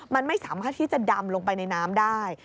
มันไม่สามารถที่จะดำลงไปในน้ำได้